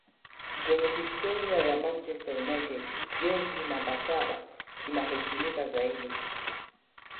Kwenye historia ya manchester united jezi namba saba inaheshimika zaidi